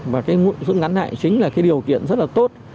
và cái rút ngắn lại chính là cái điều kiện rất là tốt